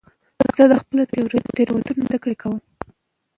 زه د خپلو تیروتنو نه زده کړه کوم.